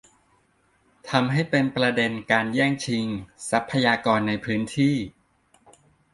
ทำให้เป็นประเด็นการแย่งชิงทรัพยากรในพื้นที่